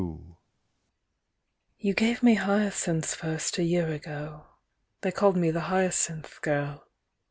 _ "You gave me hyacinths first a year ago; "They called me the hyacinth girl."